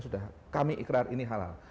sudah kami ikrar ini halal